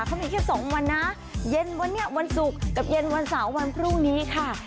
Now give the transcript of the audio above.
เขามีแค่สองวันนะเย็นวันนี้วันศุกร์กับเย็นวันเสาร์วันพรุ่งนี้ค่ะ